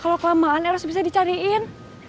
kalau kelamaan harus bisa dicariin